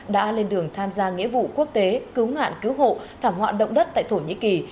đã lên đường tham gia nghĩa vụ quốc tế cứu nạn cứu hộ thảm họa động đất tại thổ nhĩ kỳ